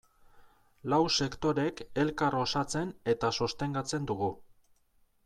Lau sektoreek elkar osatzen eta sostengatzen dugu.